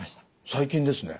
最近ですね。